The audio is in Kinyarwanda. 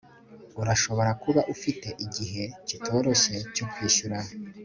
urashobora kuba ufite igihe kitoroshye cyo kwishyura